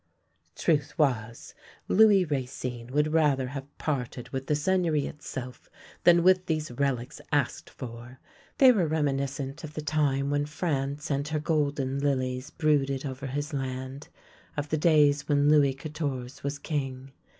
" Truth was, Louis Racine would rather have parted with the Seigneury itself than with these relics asked for. They were reminiscent of the time when France and her golden lilies brooded over his land, of the days when Louis Quatorze was king.